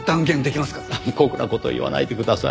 酷な事を言わないでください。